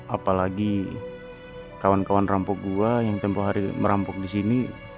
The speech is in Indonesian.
apalagi kawan kawan rampok gue yang tempoh hari merampok di sini